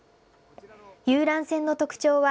遊覧船の特徴は、